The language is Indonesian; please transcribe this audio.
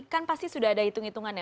kan pasti sudah ada hitung hitungannya